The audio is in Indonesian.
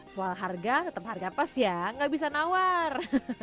soal harga tetep harga pas ya gak bisa nawar